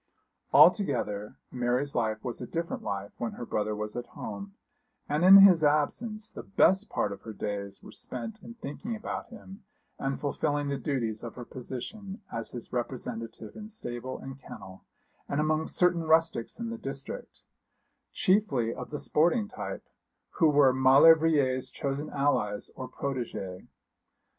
Altogether Mary's life was a different life when her brother was at home; and in his absence the best part of her days were spent in thinking about him and fulfilling the duties of her position as his representative in stable and kennel, and among certain rustics in the district, chiefly of the sporting type, who were Maulevrier's chosen allies or protégés.